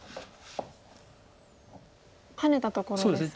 ハネたところですが。